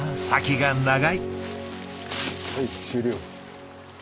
はい終了。